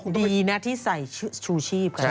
ดีนะที่ใส่ชูชีพกัน